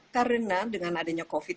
karena dengan adanya covid sembilan belas